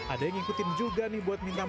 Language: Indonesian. ada yang ngikutin juga nih buat minta